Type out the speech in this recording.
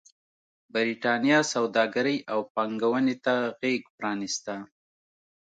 برېټانیا سوداګرۍ او پانګونې ته غېږ پرانېسته.